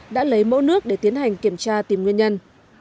đã lấy mẫu nước để tiến hành kiểm tra tìm nguyên nhân